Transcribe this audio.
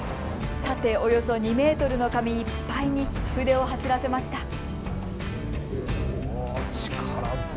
縦およそ２メートルの紙いっぱいに筆を走らせました。